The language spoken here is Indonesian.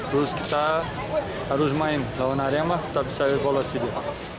terus kita harus main lawan arema tapi saya evaluasi dia